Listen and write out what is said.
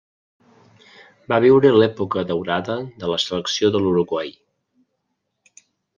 Va viure l'època daurada de la selecció de l'Uruguai.